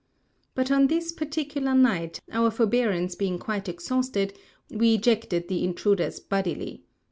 But on this particular night, our forbearance being quite exhausted, we ejected the intruders bodily.